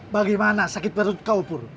bagaimana sakit perut kau pur